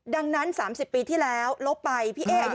ดังนั้น๓๐ปีที่แล้วลบไปพี่เอ๊อายุ